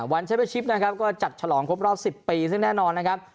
เชฟชิปนะครับก็จัดฉลองครบรอบ๑๐ปีซึ่งแน่นอนนะครับ